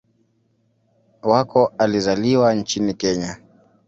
Wako alizaliwa nchini Kenya.